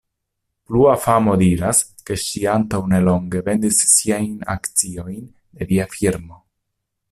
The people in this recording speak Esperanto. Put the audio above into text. Plua famo diras, ke ŝi antaŭ nelonge vendis siajn akciojn de via firmo.